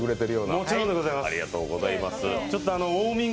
もちろんでございます。